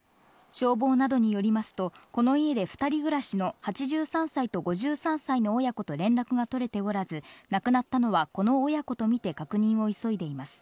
消防などによりますと、この家で２人暮らしの８３歳と５３歳の親子と連絡が取れておらず、亡くなったのはこの親子と見て確認を急いでいます。